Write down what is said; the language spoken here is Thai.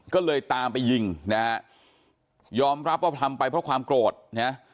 ก็เลยตามไปยิงนะฮะยอมรับว่าทำไปเพราะความโกรธนะฮะ